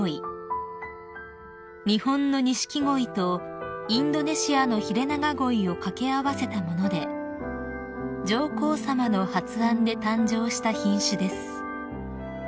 ［日本のニシキゴイとインドネシアのヒレナガゴイを掛け合わせたもので上皇さまの発案で誕生した品種です］